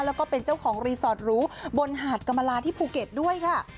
แล้วก็เป็นเจ้าของรีสอร์ทหรูบนหาดกรรมลาที่ภูเก็ตด้วยค่ะ